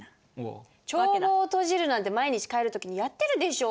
帳簿を閉じるなんて毎日帰る時にやってるでしょ。